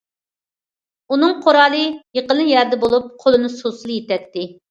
ئۇنىڭ قورالى يېقىنلا يەردە بولۇپ، قولىنى سوزسىلا يېتەتتى.